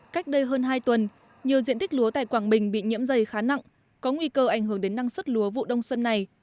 cách đây hơn hai tuần nhiều diện tích lúa tại quảng bình bị nhiễm dày khá nặng có nguy cơ ảnh hưởng đến năng suất lúa vụ đông xuân này